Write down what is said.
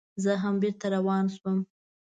زه هم بېرته روان شوم.